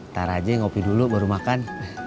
ntar aja ngopi dulu baru makan